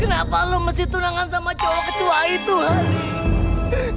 kenapa lo mesti tunangan sama cowok kecua itu han